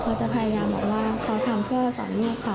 เขาจะพยายามบอกว่าเขาทำเพื่อสามีค่ะ